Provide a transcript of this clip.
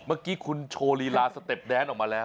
เมื่อกี้คุณโชว์ลีลาสเต็ปแดนออกมาแล้ว